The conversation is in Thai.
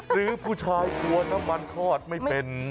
หรือผู้ชายกลัวน้ำมันทอดไม่เป็น